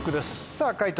さぁ解答